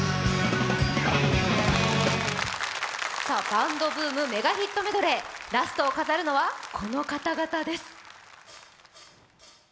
バンドブームメガヒットメドレー、ラストを飾るのは、この方々です。